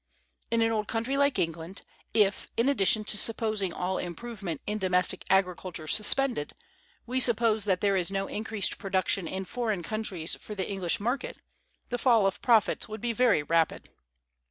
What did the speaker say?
In an old country like England, if, in addition to supposing all improvement in domestic agriculture suspended, we suppose that there is no increased production in foreign countries for the English market, the fall of profits would be very rapid.